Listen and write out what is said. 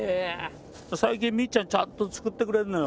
最近みっちゃんちゃんと作ってくれるのよ。